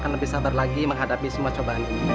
lebih sabar lagi menghadapi semua cobaan ini